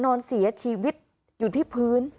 นอนเสียชีวิตอยู่ที่พื้น